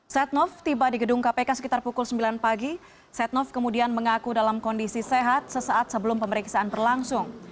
setnov tiba di gedung kpk sekitar pukul sembilan pagi setnov kemudian mengaku dalam kondisi sehat sesaat sebelum pemeriksaan berlangsung